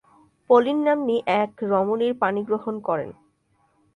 Pauline নাম্নী এক রমণীর পাণিগ্রহণ করেন।